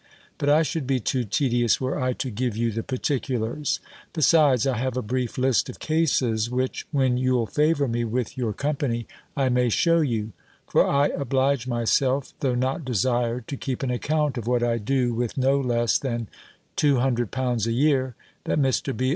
But I should be too tedious, were I to give you the particulars; besides, I have a brief list of cases, which, when you'll favour me with your company, I may shew you: for I oblige myself, though not desired, to keep an account of what I do with no less than two hundred pounds a year, that Mr. B.